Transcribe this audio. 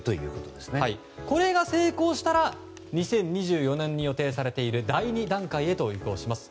これが成功したら２０２４年に予定されている第２段階に移行します。